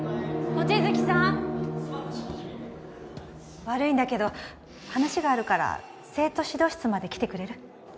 望月さん悪いんだけど話があるから生徒指導室まで来てくれる？